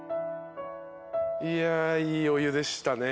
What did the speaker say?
いやいいお湯でしたね。